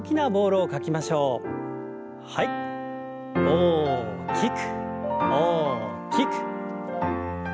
大きく大きく。